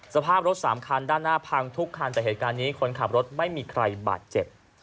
สภาพรถสามคันด้านหน้าพังทุกคันแต่เหตุการณ์นี้คนขับรถไม่มีใครบาดเจ็บ